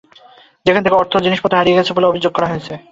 যেখান থেকে অর্থ ও জিনিসপত্র হারিয়ে গেছে বলে অভিযোগ করা হয়েছে।